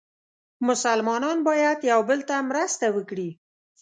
مسلمانان باید یو بل ته مرسته وکړي.